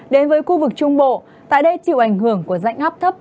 đến với khu vực trung bộ tại đây chịu ảnh hưởng của dãy ngắp thấp